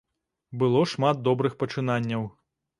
Было шмат добрых пачынанняў.